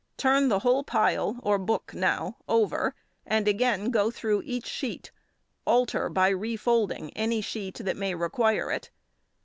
|6| Turn the whole pile (or book now) over, and again go through each sheet; alter by refolding any sheet that may require it.